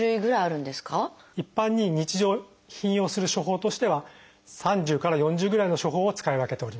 一般に日常頻用する処方としては３０から４０ぐらいの処方を使い分けております。